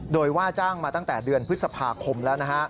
โดยว่าจ้างมาตั้งแต่เดือนพฤษภาคมแล้วนะฮะ